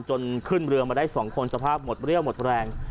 ขึ้นเรือมาได้๒คนสภาพหมดเรี่ยวหมดแรง